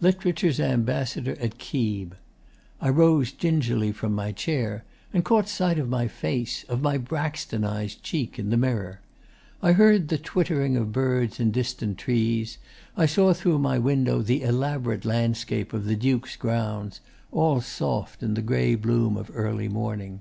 Literature's Ambassador at Keeb.... I rose gingerly from my chair, and caught sight of my face, of my Braxtonised cheek, in the mirror. I heard the twittering of birds in distant trees. I saw through my window the elaborate landscape of the Duke's grounds, all soft in the grey bloom of early morning.